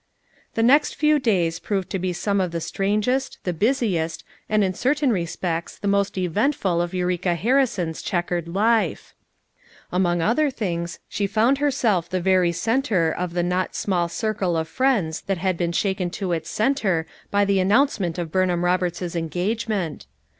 The next few days proved to he some of the strangest, the busiest and in certain respects the most eventful of Eureka Harrison's check ered life. Among other things she found her self the very center of the not small circle of friends that had been shaken to its center by the announcement of Burnham Roberts's engagement.